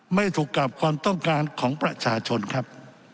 ไม่ถูกกับความต้องการของประชาชนครับ